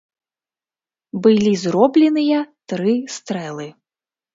Былі зробленыя тры стрэлы.